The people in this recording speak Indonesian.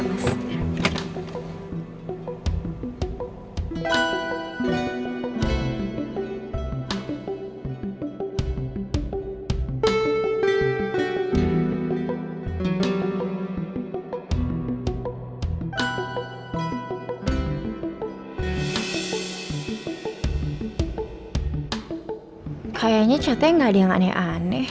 oke tunggu ya